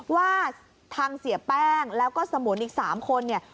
ว่าทางเสียแป้งแล้วก็สมุนอีก๓คนเนี่ย